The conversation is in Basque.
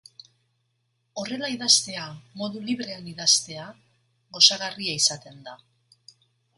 Horrela idaztea, modu librean idaztea, gozagarria izaten da.